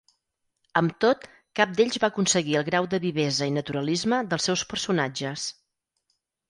Amb tot, cap d'ells va aconseguir el grau de vivesa i naturalisme dels seus personatges.